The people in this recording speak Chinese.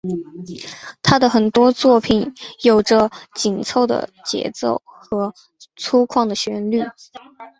他的很多作品有着紧凑的节奏和粗犷的旋律。